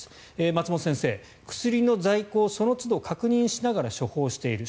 松本先生、薬の在庫をそのつど確認しながら処方している。